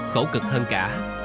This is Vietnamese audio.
khổ cực hơn cả